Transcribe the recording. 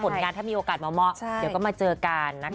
งานถ้ามีโอกาสเหมาะเดี๋ยวก็มาเจอกันนะคะ